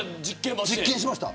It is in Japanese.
実験しました。